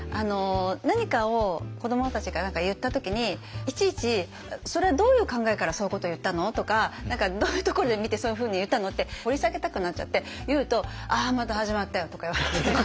何かを子どもたちが言った時にいちいち「それはどういう考えからそういうこと言ったの？」とか「どういうところで見てそういうふうに言ったの？」って掘り下げたくなっちゃって言うと「ああまた始まったよ」とか言われて。